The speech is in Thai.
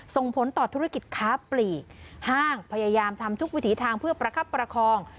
ส่งผลต่อธุรกิจค้าปลีกห้างพยายามทำทุกวิถีทางเพื่อประคับประคอง